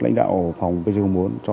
lãnh đạo phòng kcv bốn